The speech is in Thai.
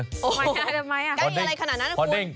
ทำไมใกล้อะไรขนาดนั้นนะคุณ